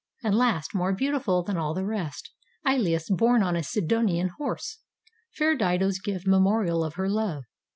And last, more beautiful than all the rest, lulus, borne on a Sidonian horse. Fair Dido's gift, memorial of her love.